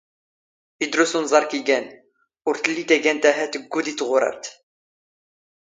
ⵉⴷⵔⵓⵙ ⵓⵏⵥⴰⵔ ⴽⵉⴳⴰⵏ, ⵓⵔ ⵜⵍⵍⵉ ⵜⴰⴳⴰⵏⵜ ⴰⵀⴰ ⵜⴳⴳⵓⴷⵉ ⵜⵖⵓⵔⴰⵔⵜ.